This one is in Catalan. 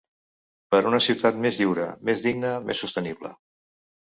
Per una ciutat més lliure , més digne, més sostenible.